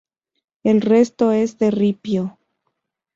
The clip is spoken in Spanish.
El resto es de ripio.